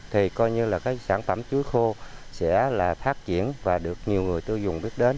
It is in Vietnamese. thì coi như sản phẩm chuối khô sẽ phát triển và được nhiều người tiêu dùng biết đến